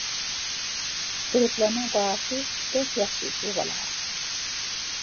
تۈركلەرنىڭ باھاسى بەك ياخشى بۇ بالىغا.